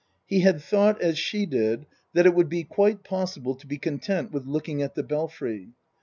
He had thought as she did that it would be quite possible to be content with looking at the Belfry.